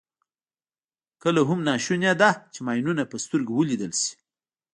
کله هم ناشونې ده چې ماینونه په سترګو ولیدل شي.